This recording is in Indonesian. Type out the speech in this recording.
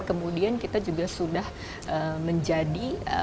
kemudian kita juga sudah menjadi